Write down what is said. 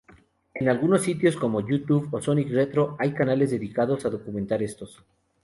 En algunos sitios, como Youtube o Sonic Retro, hay canales dedicados a documentar estos.